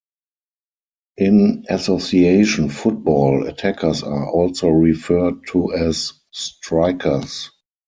In association football, attackers are also referred to as strikers.